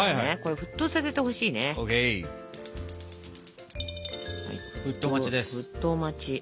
沸騰待ち。